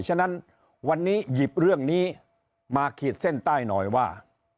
ฉะนั้นวันนี้หยิบเรื่องนี้มาขีดเส้นใต้หน่อยว่า